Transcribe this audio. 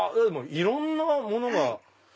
いろんなものが。